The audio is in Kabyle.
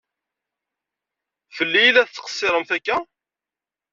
Fell-i i la tettqessiṛemt akka?